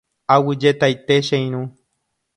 Aguyjetaite che irũ.